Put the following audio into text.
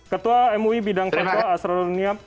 ketua mui bidang perusahaan